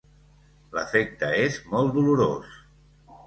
L'efecte és molt dolorós.